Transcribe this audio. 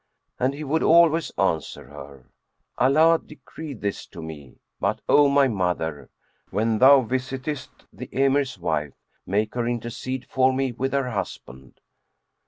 ''[FN#91] And he would always answer her, "Allah decreed this to me; but, O my mother, when thou visitest the Emir's wife make her intercede for me with her husband."